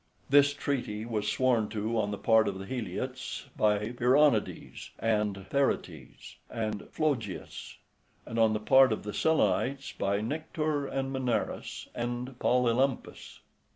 This treaty was sworn to on the part of the Heliots, by Pyronides, and Therites, and Phlogius; and on the part of the Selenites, by Nyctor, and Menarus, and Polylampus."